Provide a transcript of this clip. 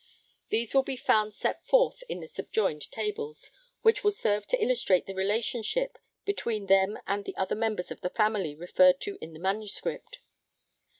These will be found set forth in the subjoined tables, which will serve to illustrate the relationship between them and the other members of the family referred to in the manuscript.